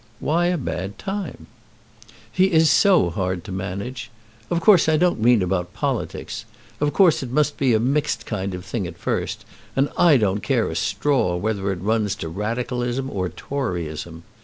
"Why a bad time?" "He is so hard to manage. Of course I don't mean about politics. Of course it must be a mixed kind of thing at first, and I don't care a straw whether it run to Radicalism or Toryism.